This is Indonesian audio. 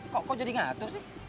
kok jadi ngatur sih